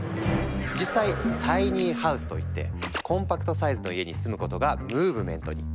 実際「タイニーハウス」といってコンパクトサイズの家に住むことがムーブメントに！